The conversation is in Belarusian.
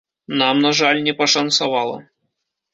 Нам, на жаль, не пашанцавала.